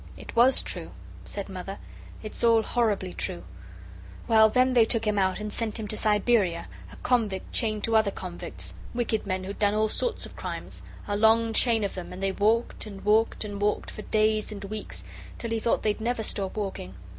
"It WAS true," said Mother; "it's all horribly true. Well, then they took him out and sent him to Siberia, a convict chained to other convicts wicked men who'd done all sorts of crimes a long chain of them, and they walked, and walked, and walked, for days and weeks, till he thought they'd never stop walking.